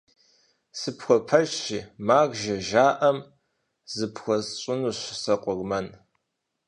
Сыпхуэпэжщи, «маржэ» жаӀэм, зыпхуэсщӀынущ сэ къурмэн.